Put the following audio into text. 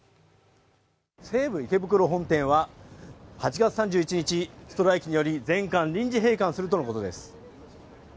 西武池袋本店は８月３１日ストライキにより全館臨時閉館するとのことです。